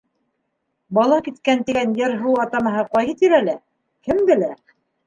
Балакиткән тигән ер-һыу атамаһы ҡайһы тирәлә, кем белә?